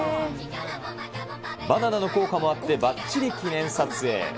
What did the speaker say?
バナナの効果もあって、ばっちり記念撮影。